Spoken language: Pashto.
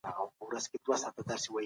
نوي دلایل د غونډې ګډونوالو ته وړاندي شول.